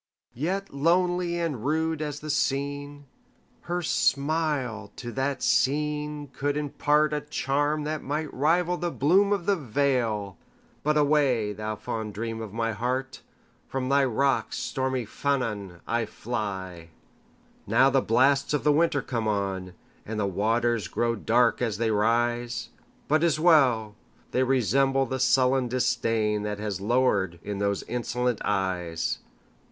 Yet lonely and rude as the scene, Her smile to that scene could impartA charm that might rival the bloom of the vale,—But away, thou fond dream of my heart! From thy rocks, stormy Llannon, I fly. Now the blasts of the winter come on, And the waters grow dark as they rise! But 't is well!—they resemble the sullen disdainThat has lowered in those insolent eyes.